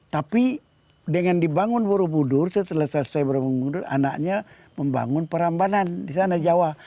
tapi dengan dibangun borobudur setelah selesai berbumbur anaknya membangun perambanan di sana jawa